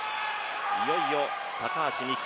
いよいよ高橋美紀